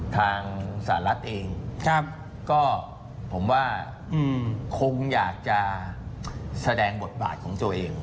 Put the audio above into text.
ทางสหรัฐเองก็ผมว่าคงอยากจะแสดงบทบาทของตัวเอง